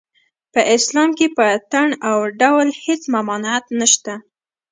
په اسلام کې په اټن او ډول هېڅ ممانعت نشته